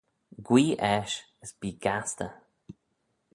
Guee eisht, as bee gastey.